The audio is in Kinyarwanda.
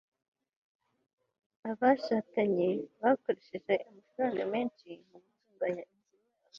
abashakanye bakoresheje amafaranga menshi mu gutunganya inzu yabo